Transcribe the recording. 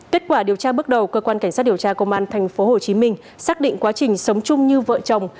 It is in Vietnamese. kết quả điều tra bước đầu cơ quan cảnh sát điều tra công an tp hcm xác định quá trình sống chung như vợ chồng